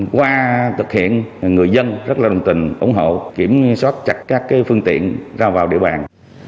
qua thực hiện người dân rất là đồng tình ủng hộ kiểm soát chặt các phương tiện ra vào địa bàn